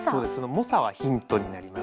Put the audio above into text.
モサはヒントになります。